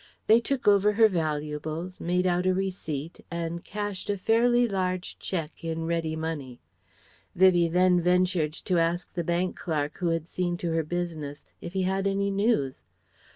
They took over her valuables, made out a receipt, and cashed a fairly large cheque in ready money. Vivie then ventured to ask the bank clerk who had seen to her business if he had any news.